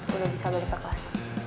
gue udah bisa balik ke kelas